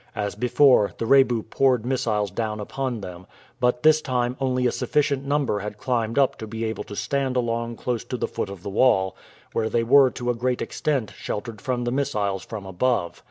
As before, the Rebu poured missiles down upon them; but this time only a sufficient number had climbed up to be able to stand along close to the foot of the wall, where they were to a great extent sheltered from the missiles from above.